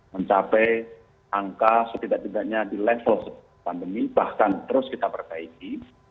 mencapai angka setidak tidaknya di level pandemi bahkan terus kita perbaiki